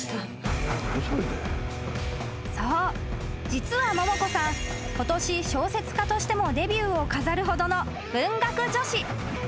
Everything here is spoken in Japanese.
実はモモコさんことし小説家としてもデビューを飾るほどの文学女子］